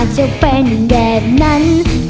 เรียกประกันแล้วยังคะ